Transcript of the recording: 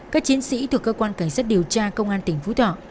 các chiến sĩ thuộc cơ quan cảnh sát điều tra công an tỉnh phú thọ